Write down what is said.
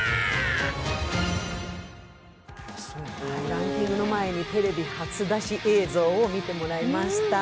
ランキングの前にテレビ初出し映像を見てもらいました。